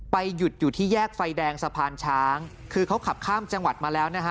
หยุดอยู่ที่แยกไฟแดงสะพานช้างคือเขาขับข้ามจังหวัดมาแล้วนะฮะ